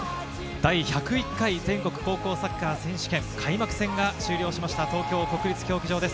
第１０１回全国高校サッカー選手権、開幕戦が終了しました、東京・国立競技場です。